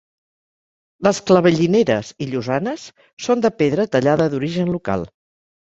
Les clavellineres i llosanes són de pedra tallada d'origen local.